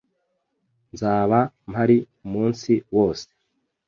Nzaba mpari umunsi wose.